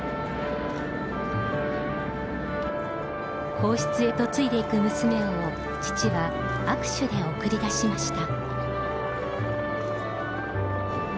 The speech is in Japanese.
皇室へ嫁いでいく娘を、父は握手で送り出しました。